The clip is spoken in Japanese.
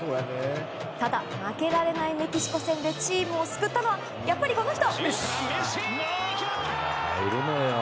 ただ、負けられないメキシコ戦でチームを救ったのはやっぱりこの人。